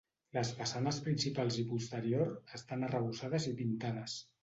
Les façanes principals i posterior estan arrebossades i pintades.